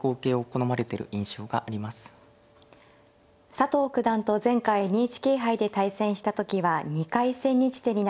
佐藤九段と前回ＮＨＫ杯で対戦した時は２回千日手になりました。